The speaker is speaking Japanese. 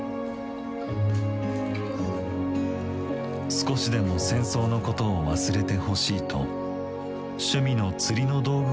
少しでも戦争のことを忘れてほしいと趣味の釣りの道具を選びました。